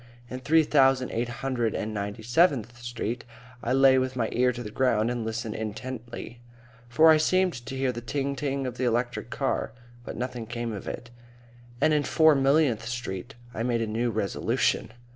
In Three thousand eight hundred and ninety seventh Street I lay with my ear to the ground and listened intently, for I seemed to hear the ting ting of the electric car, but nothing came of it; and in Four millionth Street I made a new resolution.